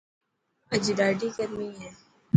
اڄ ڏاڌي گرمي هي.